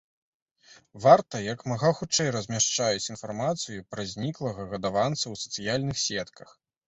Варта як мага хутчэй размяшчаюць інфармацыю пра зніклага гадаванца ў сацыяльных сетках.